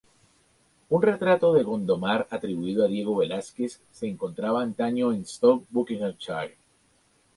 Un retrato de Gondomar, atribuido a Diego Velázquez, se encontraba antaño en Stowe, Buckinghamshire.